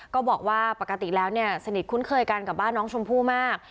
ก็บอกว่าปกติแล้วเนี่ยสนิทคุ้นเคยกันกับบ้านน้องชมพู่มาก